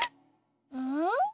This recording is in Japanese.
うん？